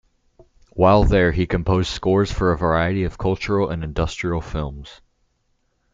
While there he composed scores for a variety of cultural and industrial films.